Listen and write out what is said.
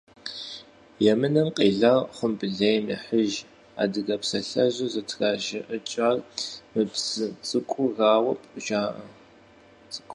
«Емынэм къелар хъумбылейм ехьыж» адыгэ псалъэжьыр зытражыӀыкӀыжар мы псы цӀыкӀурауэ жаӀэ.